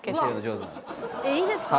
いいですか？